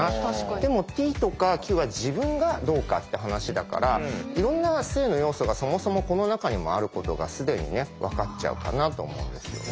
でもＴとかＱは自分がどうかって話だからいろんな性の要素がそもそもこの中にもあることが既にね分かっちゃうかなと思うんですよね。